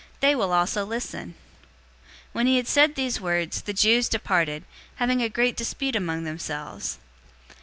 They will also listen." 028:029 When he had said these words, the Jews departed, having a great dispute among themselves.